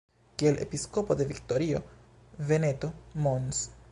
Kiel Episkopo de Vittorio Veneto, Mons.